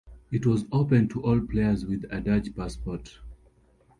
It was open to all players with a Dutch passport.